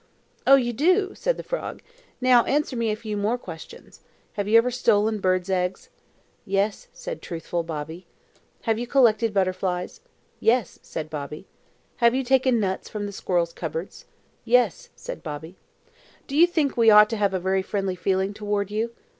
"Oh, you do!" said the frog. "Now answer me a few more questions. Have you ever stolen birds' eggs?" "Yes," said truthful Bobby. "Have you collected butterflies?" "Yes," said Bobby. "Have you taken nuts from the squirrels' cupboards?" "Yes," said Bobby. "Do you think we ought to have a very friendly feeling towards you?"